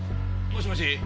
もしもし！